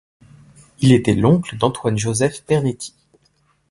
Il était l’oncle d’Antoine-Joseph Pernety.